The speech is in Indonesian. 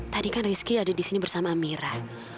tadi kan rizky ada di sini bersama amira